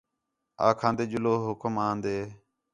آکھا ندے جلو حکم ان ݙے